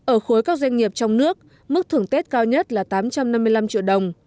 ở khối các doanh nghiệp trong nước mức thưởng tết cao nhất là tám trăm năm mươi năm triệu đồng